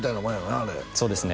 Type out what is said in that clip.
なあれそうですね